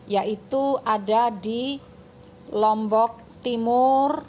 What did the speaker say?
yaitu ada di lombok timur